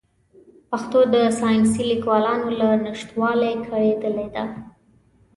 پښتو د ساینسي لیکوالانو له نشتوالي کړېدلې ده.